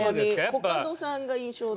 コカドさんが印象的。